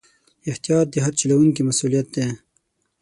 احتیاط د هر چلوونکي مسؤلیت دی.